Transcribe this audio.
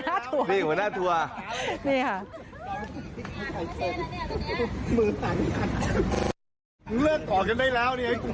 เนี้ยค่ะมือเลือกก่อกันได้แล้วเนี้ยกูกินอาหารหมาแล้วเนี้ย